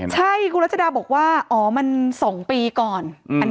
ใช่คุณรัชดาบอกว่าอ๋อมัน๒ปีก่อน